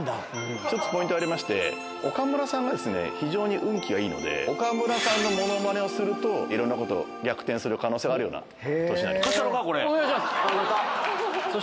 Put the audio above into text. １つポイントありまして、岡村さんがですね、非常に運気がいいので、岡村さんのものまねをすると、いろんなこと、逆転する可能性はあるような年になります。